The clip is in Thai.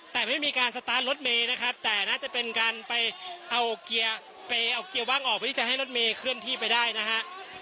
แต่ไม่มีการสตาร์ทรถเมย์นะครับแต่น่าจะเป็นการไปเอาเกียร์ไปเอาเกียร์ว่างออกเพื่อที่จะให้รถเมย์เคลื่อนที่ไปได้นะฮะ